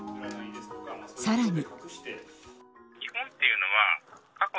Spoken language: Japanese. さらに。